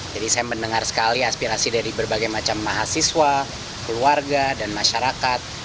jadi saya mendengar sekali aspirasi dari berbagai macam mahasiswa keluarga dan masyarakat